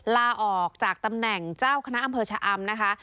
ลาออกจากตำแหน่งเจ้าคณะอำเภอชะอำนะคะ